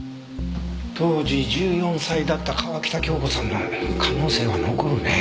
当時１４歳だった川喜多京子さんの可能性は残るね。